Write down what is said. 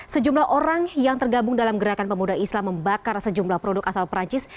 sejumlah orang yang tergabung dalam gerakan pemuda islam membakar sejumlah produk asal perancis